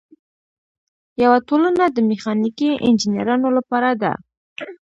یوه ټولنه د میخانیکي انجینرانو لپاره ده.